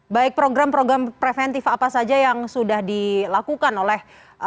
baik program program preventif apa saja yang sudah dilakukan oleh